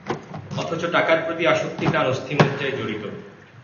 অথচ টাকার প্রতি আসক্তি তাঁর অস্থিমজ্জায় জড়িত।